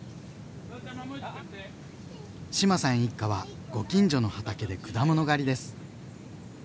志麻さん一家はご近所の畑で果物狩りです。